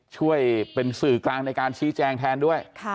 ช่วยเป็นสื่อกลางในการชี้แจงแทนด้วย